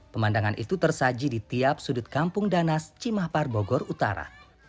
pemandangan itu tersaji di tiap sudut kampung danas cimahpar bogor utara